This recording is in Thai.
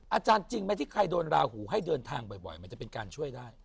จริงไหมที่ใครโดนราหูให้เดินทางบ่อยมันจะเป็นการช่วยได้